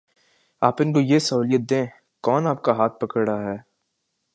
آپ ان کو یہ سہولت دیں، کون آپ کا ہاتھ پکڑ رہا ہے؟